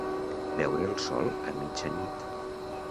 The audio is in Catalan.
Veure el sol a mitjanit.